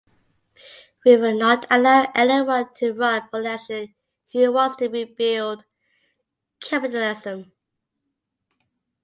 We will not allow anyone to run for election who wants to rebuild capitalism.